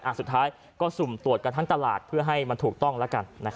สุดท้ายก็สุ่มตรวจกันทั้งตลาดเพื่อให้มันถูกต้องแล้วกัน